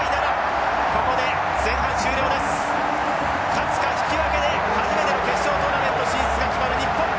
勝つか引き分けで初めての決勝トーナメント進出が決まる日本。